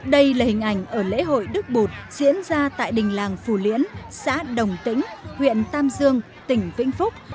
đây là hình ảnh ở lễ hội đức bột diễn ra tại đình làng phù liễn xã đồng tĩnh huyện tam dương tỉnh vĩnh phúc